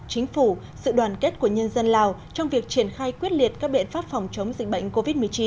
chính phủ sự đoàn kết của nhân dân lào trong việc triển khai quyết liệt các biện pháp phòng chống dịch bệnh covid một mươi chín